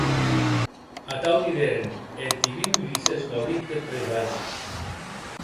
Atau dideren; e eth divin Ulisses gaudic deth presagi.